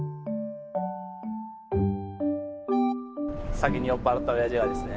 「酒に酔っ払ったおやじがですね